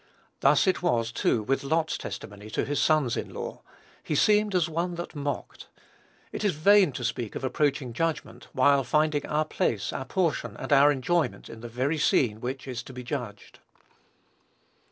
Thus it was, too, with Lot's testimony to his sons in law; "he seemed as one that mocked." It is vain to speak of approaching judgment, while finding our place, our portion, and our enjoyment, in the very scene which is to be judged.